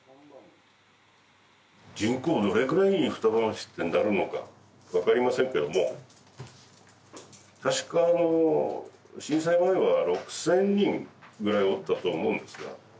人口どれぐらいに双葉町ってなるのか分かりませんけども確かあの震災前は６０００人ぐらいおったと思うんですが・